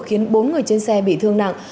khiến bốn người trên xe bị thương nặng